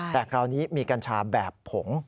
แต่คราวนี้มีกัญชาแบบผง